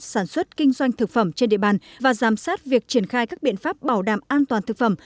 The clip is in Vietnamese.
sản xuất kinh doanh thực phẩm trên địa bàn và giám sát việc triển khai các biện pháp bảo đảm an toàn thực phẩm